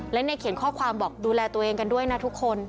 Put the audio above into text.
และในเขียนข้อความบอกดูแลตัวเองกันด้วยนะทุกคน